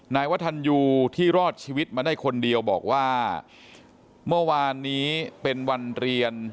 นายวัฒนยูที่รอดชีวิตมาได้คนเดียวบอกว่าเมื่อวานนี้เป็นวันเรียน